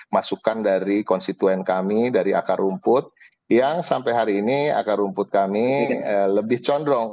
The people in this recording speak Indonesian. masukan dari konstituen kami dari akar rumput yang sampai hari ini akar rumput kami lebih condrong